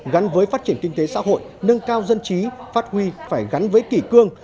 gắn với phát triển kinh tế xã hội nâng cao dân trí phát huy phải gắn với kỷ cương